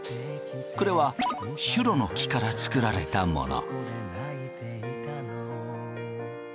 これはシュロの木から作られたもの。